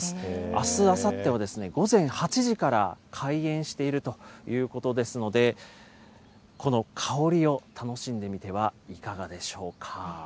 あす、あさっては午前８時から開園しているということですので、この香りを楽しんでみてはいかがでしょうか。